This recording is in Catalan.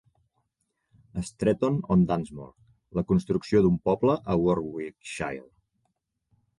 "Stretton on Dunsmore: La construcció d'un poble a Warwickshire".